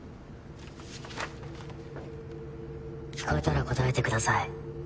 聞こえたら答えてください。